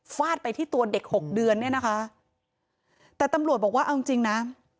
ฟาดไปที่ตัวเด็ก๖เดือนแต่ตำรวจบอกว่าเอาจริงนะ